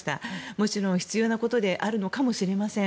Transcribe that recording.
もちろん必要なことであるのかもしれません。